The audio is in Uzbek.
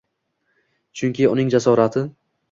Chunki uning jasorati